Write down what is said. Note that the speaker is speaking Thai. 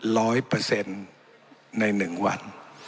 ร้อยเปอร์เซ็นต์ในหนึ่งวัน